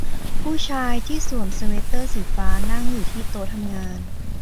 ผู้ชายที่สวมสเวทเตอร์สีฟ้านั่งอยู่ที่โต๊ะทำงาน